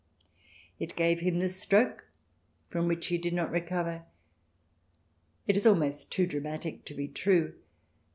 It gave him the stroke from which he did not recover. It is almost too dramatic to be true.